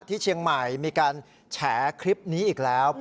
ที่เชียงใหม่มีการแฉคลิปนี้อีกแล้ว